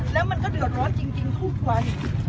แล้วมันก็เดือดร้อนจริงทุกวัน